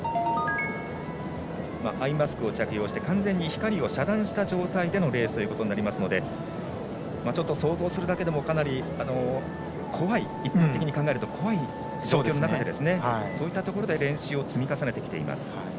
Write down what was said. アイマスクを着用して完全に光を遮断した状態でのレースとなりますのでちょっと、想像するだけでも一般的に考えると怖い中でそういったところで練習を積み重ねてきています。